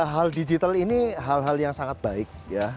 hal digital ini hal hal yang sangat baik